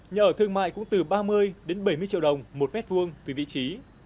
nhà ở thương mại cũng từ ba mươi đến bảy mươi triệu đồng một mét vuông tùy vị trí